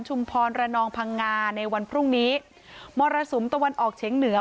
พรระนองพังงาในวันพรุ่งนี้มรสุมตะวันออกเฉียงเหนือ